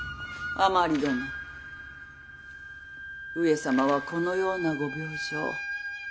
甘利殿上様はこのようなご病状。